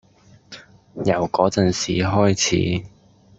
由嗰陣時開始